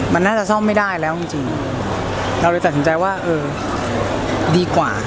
มันน่าจะซ่อมไม่ได้แล้วจริงจริงเราเลยตัดสินใจว่าเออดีกว่า